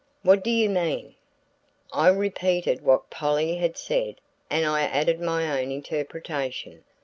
"What do you mean?" I repeated what Polly had said and I added my own interpretation.